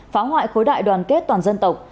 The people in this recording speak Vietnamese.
phá hoại khối đại đoàn kết toàn dân tộc